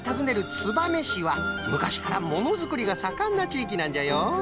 燕市はむかしからものづくりがさかんなちいきなんじゃよ。